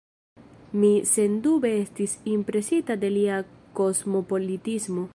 Mi sendube estis impresita de lia kosmopolitismo.